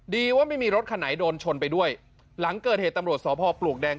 ดีว่าไม่มีรถคันไหนโดนชนไปด้วยหลังเกิดเหตุตำรวจสพปลวกแดง